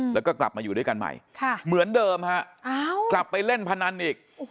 แล้วก็กลับมาอยู่ด้วยกันใหม่เหมือนเดิมฮะกลับไปเล่นพนันอีก